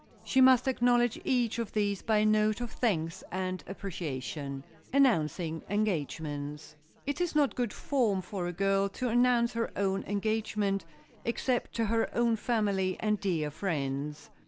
She must acknowledge each of these by a note of thanks and appreciation. [Sidenote: ANNOUNCING ENGAGEMENTS] It is not good form for a girl to announce her own engagement, except to her own family and dear friends.